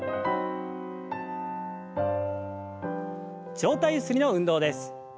上体ゆすりの運動です。